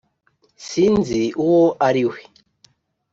sinzi uwo ari we